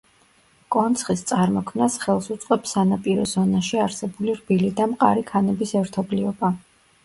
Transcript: კონცხის წარმოქმნას ხელ უწყობს სანაპირო ზონაში არსებული რბილი და მყარი ქანების ერთობლიობა.